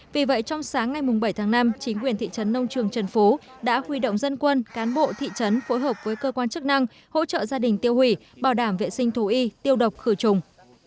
vì vậy trong sáng ngày bảy tháng năm chính quyền thị trấn nông trường trần phú đã huy động dân quân cán bộ thị trấn phối hợp với cơ quan chức năng hỗ trợ gia đình tiêu hủy bảo đảm vệ sinh thú y tiêu độc khử trùng